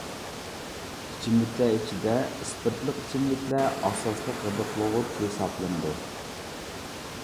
ئىچىملىكلەر ئىچىدە ئىسپىرتلىق ئىچىملىكلەر ئاساسلىق غىدىقلىغۇچ ھېسابلىنىدۇ.